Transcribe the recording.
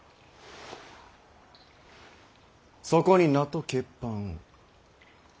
そこに名と血判を。